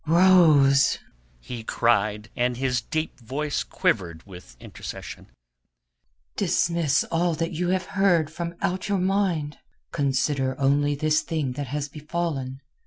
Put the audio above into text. "Rose," he cried, and his deep voice quivered with intercession, "dismiss all that you have heard from out your mind. Consider only this thing that has befallen.